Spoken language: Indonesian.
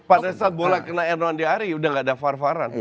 pada saat bola kena hernando ari udah enggak ada var varan